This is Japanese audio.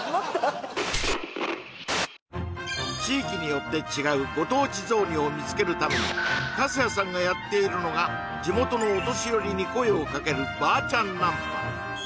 地域によって違うご当地雑煮を見つけるために粕谷さんがやっているのが地元のお年寄りに声をかけるばあちゃんナンパ